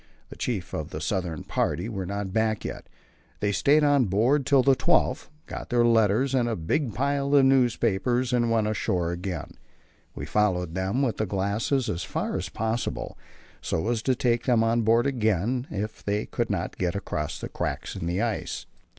The Chief and the southern party were not yet back. They stayed on board till the 12th, got their letters and a big pile of newspapers and went ashore again; we followed them with the glasses as far as possible, so as to take them on board again if they could not get across the cracks in the ice.